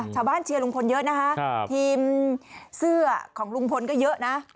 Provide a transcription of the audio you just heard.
เชียร์ลุงพลเยอะนะคะทีมเสื้อของลุงพลก็เยอะนะ